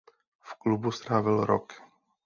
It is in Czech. V klubu strávil rok.